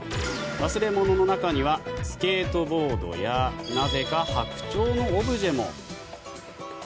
忘れ物の中にはスケートボードやなぜかハクチョウのオブジェも。